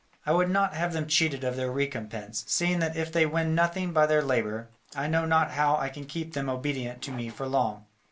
I would not have them cheated of their recompense, seeing that if they win nothing by their labour, I know not how I can keep them obedient to me for long.